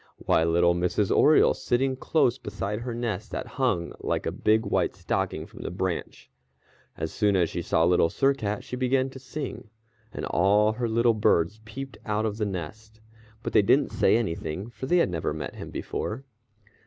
Why, little Mrs. Oriole sitting close beside her nest that hung like a big white stocking from the branch. As soon as she saw Little Sir Cat she began to sing, and all her little birds peeped out of the nest, but they didn't say anything, for they had never met him before.